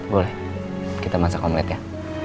boleh kita masak omlit ya